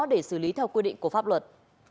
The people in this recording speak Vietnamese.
để xử lý theo quy định của pháp luật